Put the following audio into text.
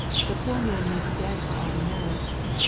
The poor man may be dead for all we know.'